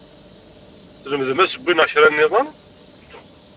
Tlemdem asewwi neɣ kra nniḍen?